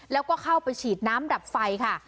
แล้วก็เข้าไปฉีดน้ำดับไฟค่ะ